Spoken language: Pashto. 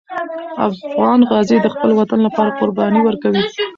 افغان غازي د خپل وطن لپاره قرباني ورکوي.